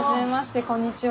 こんにちは。